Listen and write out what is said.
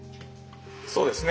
そうですね。